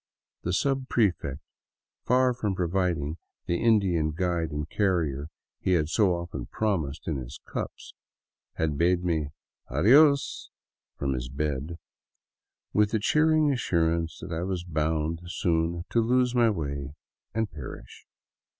The subprefect, far from providing the Indian guide and carrier he had so often promised in his cups, had bade me " adios " from his bed, with the cheering assurance that I was bound soon to lose my way and perish.